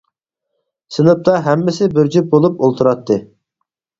سىنىپتا ھەممىسى بىر جۈپ بولۇپ ئولتۇراتتى.